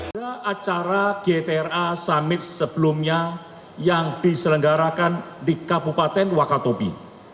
ada acara gtra summit sebelumnya yang diselenggarakan di kabupaten wakatobi